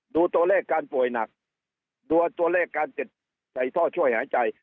ดูตัวเลขการป่วยหนักดูตัวเลขการติดใส่ท่อช่วยหายใจ